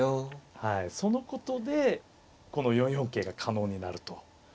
そのことでこの４四桂が可能になると。